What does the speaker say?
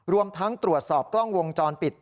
รวมทั้งตรวจสอบกล้องวงจรปิด